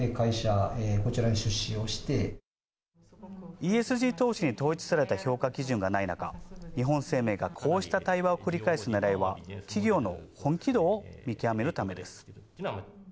ＥＳＧ投資に統一された評価基準がない中、日本生命がこうした対話を繰り返す狙いは企業の本気度を見極めるためです。